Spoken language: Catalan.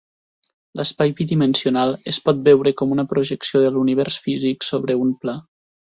L'espai bidimensional es pot veure com una projecció de l'univers físic sobre un pla.